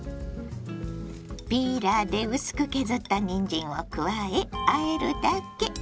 ピーラーで薄く削ったにんじんを加えあえるだけ。